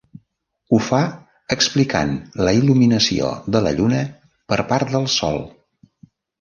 Ho fa explicant la il·luminació de la Lluna per part del Sol.